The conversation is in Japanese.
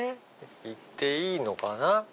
行っていいのかな。